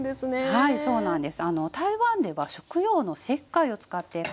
はいそうなんです。